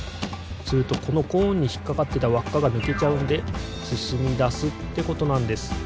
するとこのコーンにひっかかってたわっかがぬけちゃうのですすみだすってことなんです。